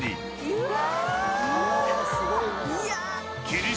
うわ！